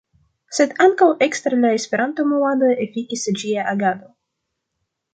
Sed ankaŭ ekster la Esperanto-movado efikis ĝia agado.